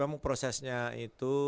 ya jadi prosesnya itu